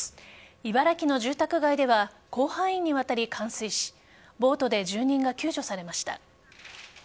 茨城の住宅街では広範囲にわたり冠水しボートで住人が救助されました。